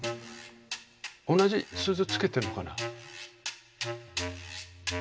同じ鈴つけてるのかな。